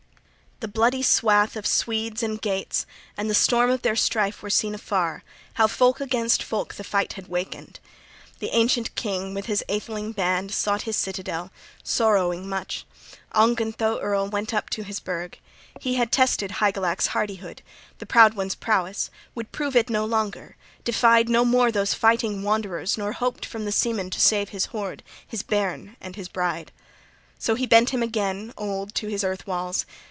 XXXIX "THE bloody swath of Swedes and Geats and the storm of their strife, were seen afar, how folk against folk the fight had wakened. The ancient king with his atheling band sought his citadel, sorrowing much: Ongentheow earl went up to his burg. He had tested Hygelac's hardihood, the proud one's prowess, would prove it no longer, defied no more those fighting wanderers nor hoped from the seamen to save his hoard, his bairn and his bride: so he bent him again, old, to his earth walls.